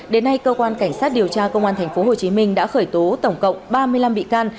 đến nay cơ quan cảnh sát điều tra công an tp hcm đã khởi tố tổng cộng ba mươi năm bị can